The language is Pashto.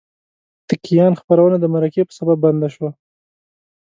د کیان خپرونه د مرکې په سبب بنده شوه.